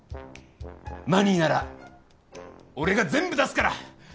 マニーなら俺が全部出すから！